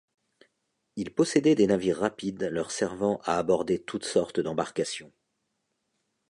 Ils possédaient des navires rapides leur servant à aborder toutes sortes d'embarcation.